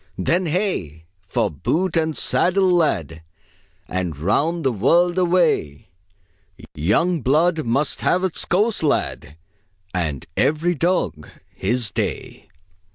"Then hey! for boot and saddle, lad, And round the world away! Young blood must have its course, lad, And every dog his day!"